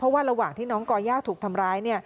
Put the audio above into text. ว่าระหว่างที่น้องก่อย่าถูกทำร้าย